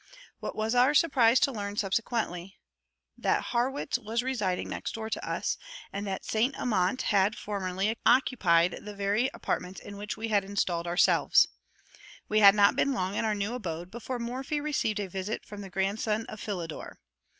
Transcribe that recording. What was our surprise to learn, subsequently, that Harrwitz was residing next door to us; and that Saint Amant had, formerly, occupied the very apartments in which we had installed ourselves. We had not been long in our new abode before Morphy received a visit from the grandson of Philidor.